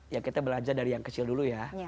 ya kita belajar dari yang kecil dulu ya